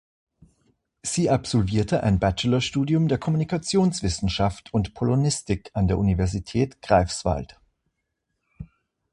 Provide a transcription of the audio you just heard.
Sie absolvierte ein Bachelorstudium der Kommunikationswissenschaft und Polonistik an der Universität Greifswald.